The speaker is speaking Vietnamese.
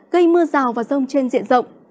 gây mưa rào và rông trên diện rộng